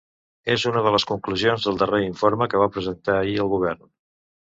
És una de les conclusions del darrer informe que va presentar ahir al govern.